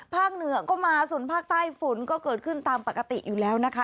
เหนือก็มาส่วนภาคใต้ฝนก็เกิดขึ้นตามปกติอยู่แล้วนะคะ